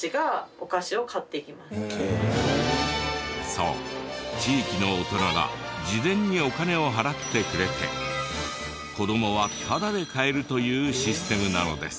そう地域の大人が事前にお金を払ってくれて子どもはタダで買えるというシステムなのです。